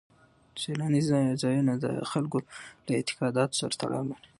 سیلاني ځایونه د خلکو له اعتقاداتو سره تړاو لري.